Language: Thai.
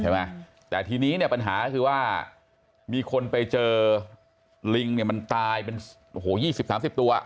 ใช่ไหมแต่ทีนี้เนี่ยปัญหาคือว่ามีคนไปเจอลิงเนี่ยมันตายเป็นโอ้โห๒๐๓๐ตัว